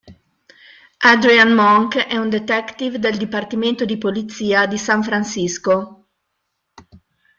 Adrian Monk è un detective del dipartimento di polizia di San Francisco.